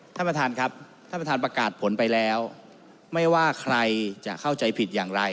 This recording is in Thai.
ท่านประธานครับท่านประธานประกาศผลไปแล้วไม่ว่าใครจะเข้าใจผิดอย่างไร